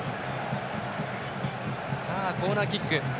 コーナーキックです。